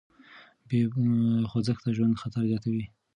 بې خوځښته ژوند خطر زیاتوي.